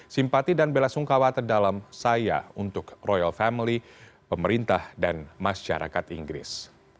simpati dan bela sungkawa terdalam saya untuk royal family pemerintah dan masyarakat inggris